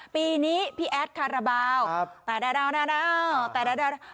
ปีนี้พี่แอดคาราเปล่าแต๊ดา